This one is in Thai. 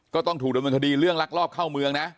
ต้องถูกดำเนินคดีเรื่องลักลอบเข้าเมืองนะ